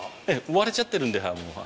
割れちゃってるんで。